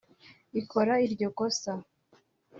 ikora iryo kosa